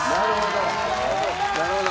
なるほど！